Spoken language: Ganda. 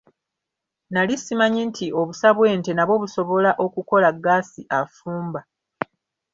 Nnali simanyi nti obusa bw'ente nabwo busobola okukola ggaasi afumba.